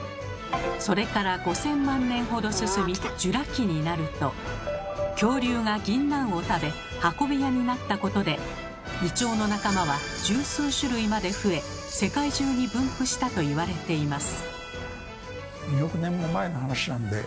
それから５，０００万年ほど進みジュラ紀になると恐竜がぎんなんを食べ運び屋になったことでイチョウの仲間は十数種類まで増え世界中に分布したと言われています。